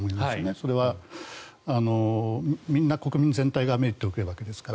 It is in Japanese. それはみんな国民全体がメリットを受けるわけですから。